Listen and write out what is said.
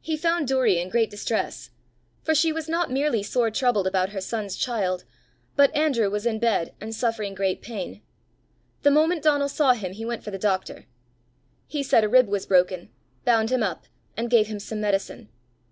He found Doory in great distress; for she was not merely sore troubled about her son's child, but Andrew was in bed and suffering great pain. The moment Donal saw him he went for the doctor. He said a rib was broken, bound him up, and gave him some medicine.